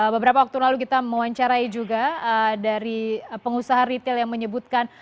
beberapa waktu lalu kita mewawancarai juga dari pengusaha retail yang menyebutkan